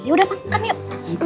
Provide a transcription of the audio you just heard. yaudah makan yuk